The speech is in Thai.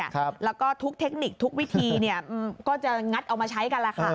แล้วก็ทุกเทคนิคทุกวิธีเนี่ยก็จะงัดเอามาใช้กันแหละค่ะ